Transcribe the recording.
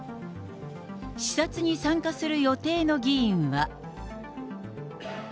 視察に参加する予定の議員は。